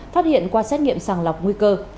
phát hiện qua xét nghiệm sàng lọc nguy cơ